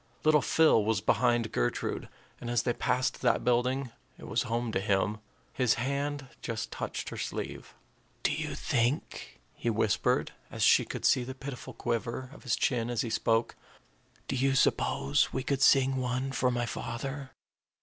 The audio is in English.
Little Phil was behind Gertrude; and as they passed that building, it was home to him his hand just touched her sleeve. "Do you think," he whispered, and she could see the pitiful quiver of his chin as he spoke "do you suppose we could sing one for m' father?"